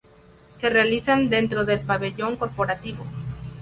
Se realizan dentro del Pabellón Corporativo.